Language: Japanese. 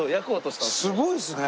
すごいっすね。